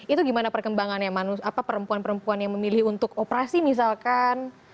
itu gimana perkembangannya perempuan perempuan yang memilih untuk operasi misalkan